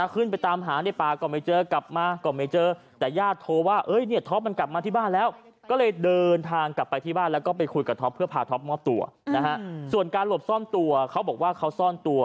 ขึ้นไปตามหาในป่าก็ไม่เจอกลับมา